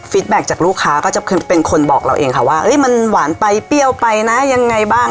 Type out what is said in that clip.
แบ็คจากลูกค้าก็จะเป็นคนบอกเราเองค่ะว่ามันหวานไปเปรี้ยวไปนะยังไงบ้าง